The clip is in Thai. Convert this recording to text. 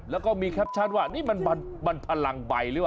แล้วก็มีแคปชั่นว่านี่มันพลังใบหรือเปล่า